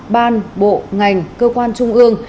ban bộ ngành cơ quan trung ương